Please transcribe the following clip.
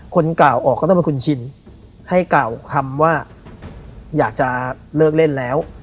คนกล่าวออกก็ต้องเป็นคุณชินให้กล่าวคำว่าอยากจะเลิกเล่นแล้ว